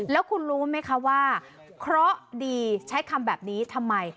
แล้วคุณรู้ไหมคะว่าเคราะห์ดีใช้คำแบบนี้ทำไม